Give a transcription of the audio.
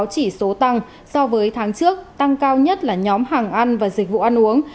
chỉ số tăng so với tháng trước tăng cao nhất là nhóm hàng ăn và dịch vụ ăn uống